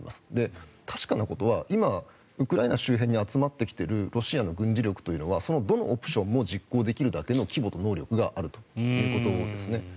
確かなことはウクライナ周辺に集まってきているロシアの軍事力というのはそのどのオプションを実行できるだけの規模と能力があるということですね。